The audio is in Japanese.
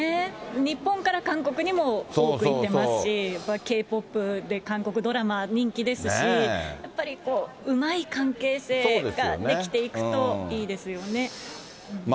日本から韓国にも多くいってますし、Ｋ−ＰＯＰで韓国ドラマ、人気ですし、やっぱりこう、うまい関係性ができていくといいですよね。